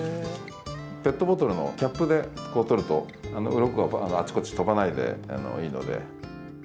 ペットボトルのキャップで、こう取るとうろこがあちこち飛ばないでいいので。